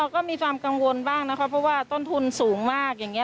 ก็มีความกังวลบ้างนะคะเพราะว่าต้นทุนสูงมากอย่างนี้